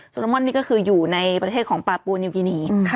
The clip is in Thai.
โลมอนนี่ก็คืออยู่ในประเทศของปาปูนิวกินี